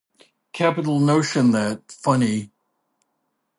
Capital notion that — funny.